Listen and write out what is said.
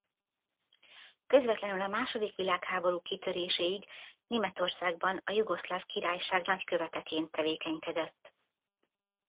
Közvetlenül a második világháború kitöréséig Németországban a Jugoszláv Királyság nagyköveteként tevékenykedett.